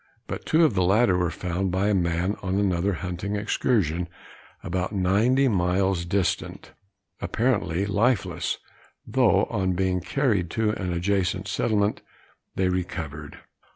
But two of the latter were found by a man on another hunting excursion, about 90 miles distant, apparently lifeless; though on being carried to an adjacent settlement they recovered.